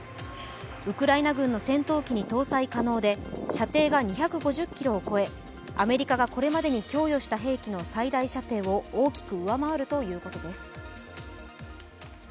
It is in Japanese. ウクライナ軍の戦闘機に搭載可能で射程が２５０ｋｍを超え、アメリカがこれまでに供与した兵器の最大射程を大きく上回るということです。